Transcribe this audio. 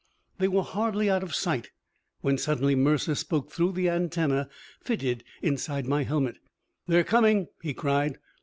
They were hardly out of sight when suddenly Mercer spoke through the antenna fitted inside my helmet. "They're coming!" he cried.